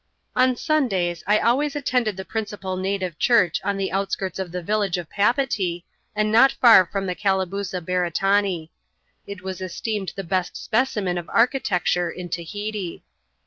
On Sundays I always attended the principal native church on the outskirts of the village of Papeetee, and not far from the Calabooza Bereta, nee. It was esteemed the best specimen of architecture in Tahiti.